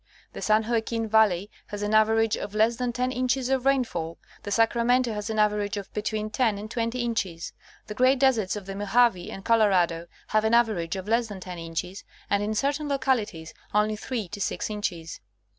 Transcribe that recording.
The San Joaquin valley has an average of less than 10 inches of rainfall, the Sacramento has an average of between 10 and 20 inches. The great deserts of the Mojave and Colorado have an average of less than 10 inches, and in certain localities only 3 to 6 inches.